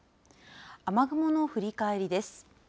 雨雲の振り返りです。